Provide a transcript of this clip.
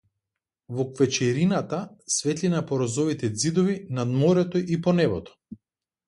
Во квечерината, светлина по розовите ѕидови над морето и по небото.